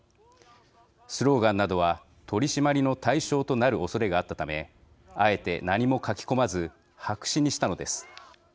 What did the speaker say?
スローガンなどは取締りの対象となるおそれがあったためあえて何も書き込まず白紙にしたのです。